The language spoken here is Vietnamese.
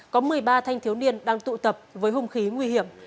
có một mươi ba thanh thiếu niên đang tụ tập với hung khí nguy hiểm